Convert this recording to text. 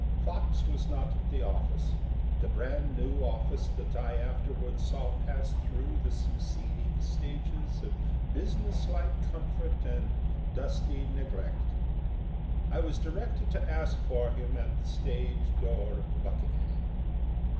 Fox was not at the office the brand new office that I afterward saw pass through the succeeding stages of business like comfort and dusty neglect. I was directed to ask for him at the stage door of the Buckingham.